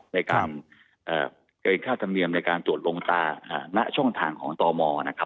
ในการเกรงค่าธรรมเนียมในการจวดลงตาณช่องทางของตม